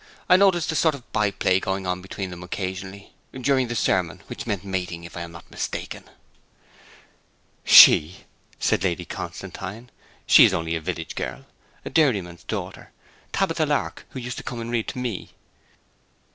I noticed a sort of by play going on between them occasionally, during the sermon, which meant mating, if I am not mistaken.' 'She!' said Lady Constantine. 'She is only a village girl, a dairyman's daughter, Tabitha Lark, who used to come to read to me.'